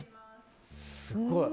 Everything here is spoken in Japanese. すごい。